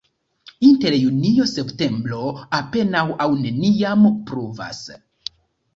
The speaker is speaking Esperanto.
Inter junio-septembro apenaŭ aŭ neniam pluvas.